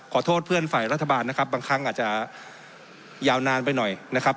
ขอโทษเพื่อนฝ่ายรัฐบาลนะครับบางครั้งอาจจะยาวนานไปหน่อยนะครับ